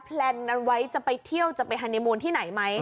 แลนไว้จะไปเที่ยวจะไปฮานีมูลที่ไหนไหม